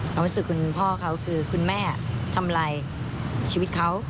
ความรู้สึกคุณพ่อเขาคือคุณแม่ทำลายชีวิตเขา